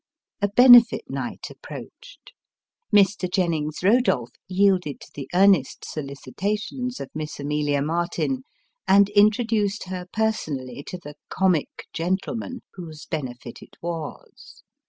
A benefit night approached ; Mr. Jennings Eodolph yielded 1 to the earnest solicitations of Miss Amelia Martin, and intro duced her personally to the " comic gentleman " whose benefit it was.